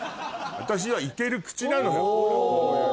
私はいける口なのよ。